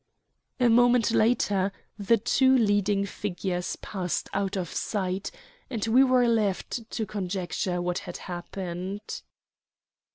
A moment later the two leading figures passed out of sight, and we were left to conjecture what had happened.